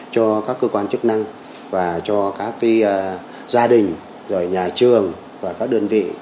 cho các cơ quan chức năng và cho các gia đình nhà trường và các đơn vị